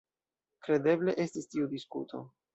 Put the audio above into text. Kredeble estis tiu diskuto.